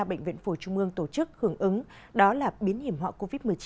bệnh viện phổ trung ương tổ chức hưởng ứng đó là biến hiểm họa covid một mươi chín